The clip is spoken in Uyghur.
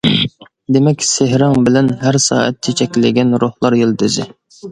دېمەك، سېھرىڭ بىلەن ھەر سائەت چېچەكلىگەن روھلار يىلتىزى.